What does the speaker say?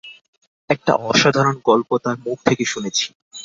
একটা অসাধারণ গল্প তাঁর মুখ থেকে শুনেছি।